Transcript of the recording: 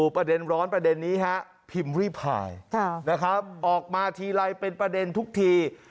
ประเด็นร้อนประเด็นนี้ฮะพิมพ์ริพายนะครับออกมาทีไรเป็นประเด็นทุกที